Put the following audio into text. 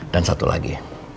dan satu lagi